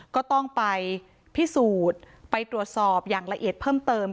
ก็ต้องไปพิสูจน์ไปตรวจสอบอย่างละเอียดเพิ่มเติม